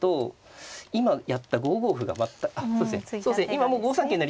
今もう５三桂成